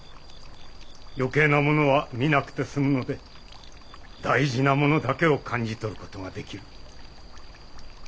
余計なものは見なくてすむので大事なものだけを感じ取る事ができる。